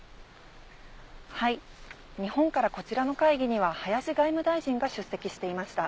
日本からこちらの会議には林外務大臣が出席していました。